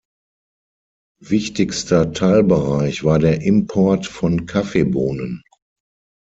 Wichtigster Teilbereich war der Import von Kaffeebohnen.